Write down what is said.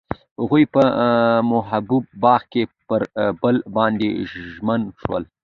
هغوی په محبوب باغ کې پر بل باندې ژمن شول.